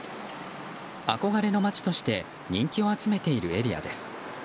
憧れの街として人気を集めているエリアです。